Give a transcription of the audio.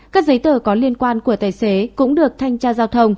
các giấy tờ có liên quan của tài xế cũng được thanh tra giao thông